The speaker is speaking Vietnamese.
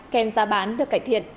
kèm giá bán được cải thiện